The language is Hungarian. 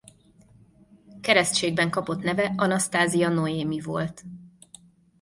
Keresztségben kapott neve Anasztázia Noémi volt.